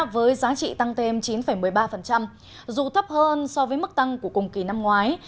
với giá trị tăng thêm chín một mươi ba dù thấp hơn so với mức tăng của cùng kỳ năm ngoái